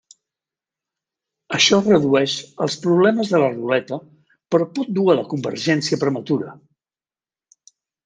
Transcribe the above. Això redueix els problemes de la ruleta però pot dur a la convergència prematura.